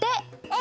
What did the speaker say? え！